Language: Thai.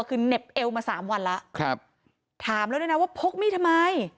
คือเหน็บเอวมาสามวันแล้วครับถามแล้วด้วยนะว่าพกมีดทำไม